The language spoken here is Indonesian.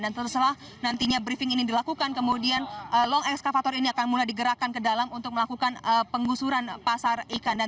dan setelah nantinya briefing ini dilakukan kemudian long excavator ini akan mulai digerakkan ke dalam untuk melakukan penggusuran pasar ikan